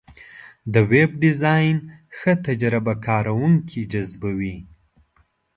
د ویب ډیزاین ښه تجربه کارونکي جذبوي.